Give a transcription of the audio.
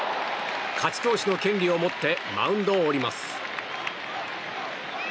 勝ち投手の権利を持ってマウンドを降ります。